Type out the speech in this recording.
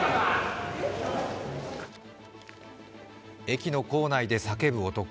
駅の構内で叫ぶ男。